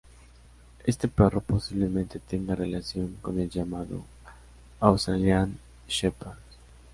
Este perro posiblemente tenga relación con el llamado "Australian Shepherd.